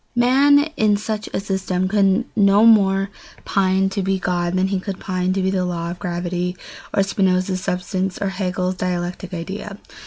Man in such a system could no more pine to be God than he could pine to be the law of gravity, or Spinoza's substance, or Hegel's dialectical idea.